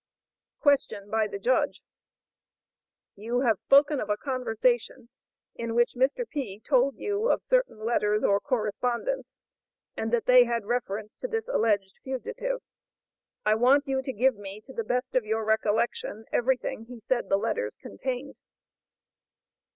Question by the judge. "You have spoken of a conversation in which Mr. P. told you of certain letters or correspondence, and that they had reference to this alleged fugitive. I want you to give me, to the best of your recollection, everything he said the letters contained."